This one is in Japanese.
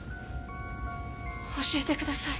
教えてください。